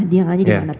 dia hanya di mana